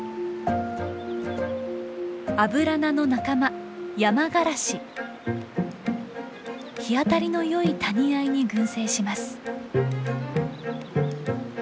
アブラナの仲間日当たりのよい谷あいに群生します。